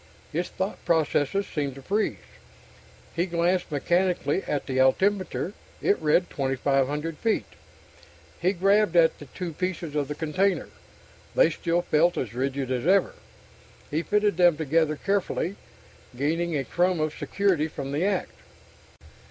His thought processes seemed to freeze. He glanced mechanically at the altimeter. It read 2,500 feet. He grabbed at the two pieces of the container. They still felt as rigid as ever. He fitted them together carefully, gaining a crumb of security from the act.